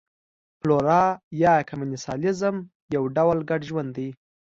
فلورا یا کمېنسالیزم یو ډول ګډ ژوند دی.